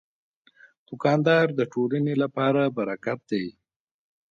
دوکاندار د ټولنې لپاره برکت دی.